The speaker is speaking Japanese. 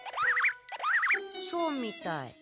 そうみたい。